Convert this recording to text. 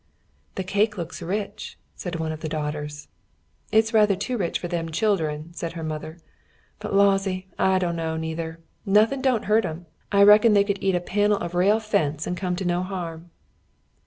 "The cake looks rich," said one of the daughters. "It's rather too rich for them children," said her mother. "But Lawsey, I dunno, neither. Nothin' don't hurt 'em. I reckon they could eat a panel of rail fence and come to no harm."